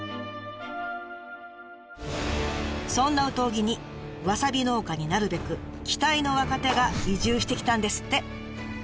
そんな有東木にわさび農家になるべく期待の若手が移住してきたんですって。